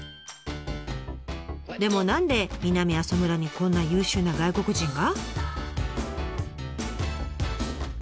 でも何で南阿蘇村にこんな優秀な外国人が？